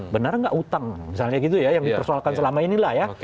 benar nggak utang misalnya gitu ya yang dipersoalkan selama inilah ya